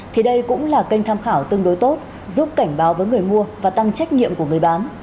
thì đây cũng là kênh tham khảo tương đối tốt giúp cảnh báo với người mua và tăng trách nhiệm của người bán